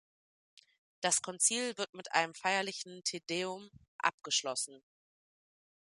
Das Konzil wird mit einem feierlichen Te Deum abgeschlossen.